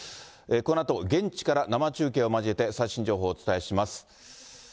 このあと、現地から生中継を交えて、最新情報、お伝えします。